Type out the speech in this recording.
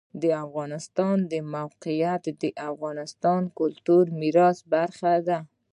د افغانستان د موقعیت د افغانستان د کلتوري میراث برخه ده.